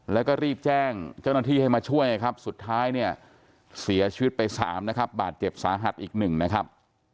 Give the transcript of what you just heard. แล้วก็รีบแจ้งเจ้าหน้าที่ให้มาช่วยครับสุดท้ายเนี่ยเสียชีวิตไปสามนะครับบาดเจ็บสาหัสอีกหนึ่งนะครับ